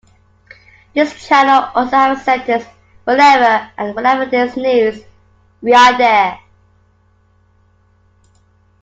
This channel also have sentence Whenever and wherever there is news, we are there.